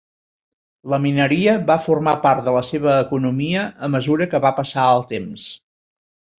La mineria va formar part de la seva economia a mesura que va passar el temps.